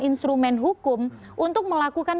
instrumen hukum untuk melakukan